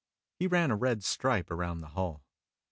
He ran a red stripe around the hull.